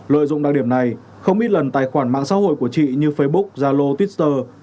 lợi dụng đặc điểm này không ít lần tài khoản mạng xã hội của chị như facebook zalo twitter